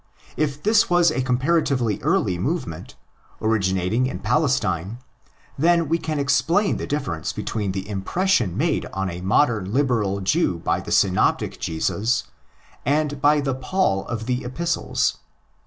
If this was ἃ comparatively early movement, originating in Palestine, then we can explain the difference between the impression made on a modern liberal Jew by the Synoptic Jesus and by the Paul of the Epistles.!